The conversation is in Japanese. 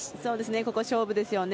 ここ、勝負ですよね。